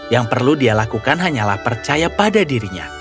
yang perlu dia lakukan hanyalah percaya pada dirinya